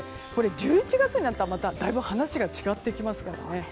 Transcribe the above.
１１月になったら、まただいぶ話が違ってきますからね。